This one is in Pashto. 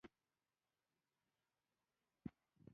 ازادي راډیو د اطلاعاتی تکنالوژي پر اړه مستند خپرونه چمتو کړې.